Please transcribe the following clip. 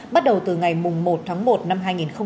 bắt đầu từ ngày một tháng một năm hai nghìn hai mươi